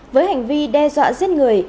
với hành vi đe dọa giết người